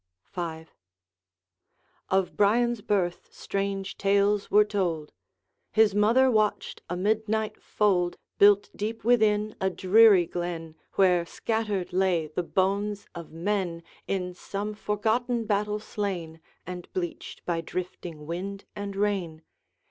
V. Of Brian's birth strange tales were told. His mother watched a midnight fold, Built deep within a dreary glen, Where scattered lay the bones of men In some forgotten battle slain, And bleached by drifting wind and rain.